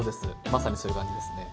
まさにそういう感じですね。